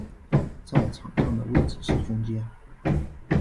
在场上的位置是中坚。